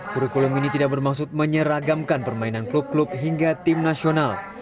kurikulum ini tidak bermaksud menyeragamkan permainan klub klub hingga tim nasional